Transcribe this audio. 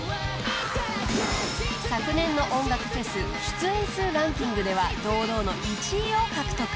［昨年の音楽フェス出演数ランキングでは堂々の１位を獲得］